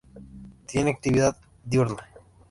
Tienen actividad diurna.